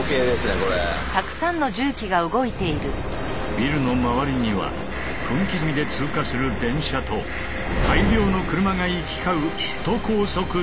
ビルの周りには分刻みで通過する電車と大量の車が行き交う首都高速道路。